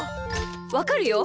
わかるよ。